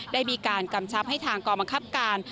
ได้มีการกำชับให้ทางกรมับการ